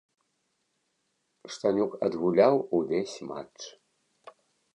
Штанюк адгуляў увесь матч.